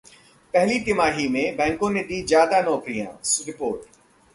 पहली तिमाही में बैंकों ने दीं ज्यादा नौकरियां: रिपोर्ट